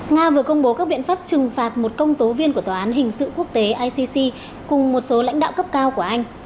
nga đã đối mặt với các biện pháp trừng phạt một công tố viên của tòa án hình sự quốc tế icc cùng một số lãnh đạo cấp cao của anh